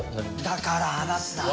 「だから話すな！」